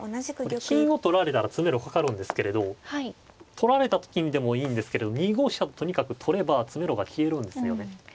これ金を取られたら詰めろかかるんですけれど取られた時にでもいいんですけど２五飛車ととにかく取れば詰めろが消えるんですよね。